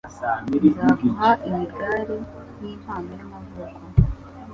Nzaguha iyi gare nkimpano y'amavuko.